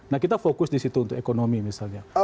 nah kita fokus di situ untuk ekonomi misalnya